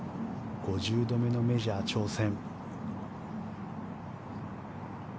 ５０度目のメジャー挑戦。